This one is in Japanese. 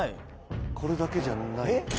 「これだけじゃない」